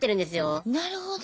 なるほど。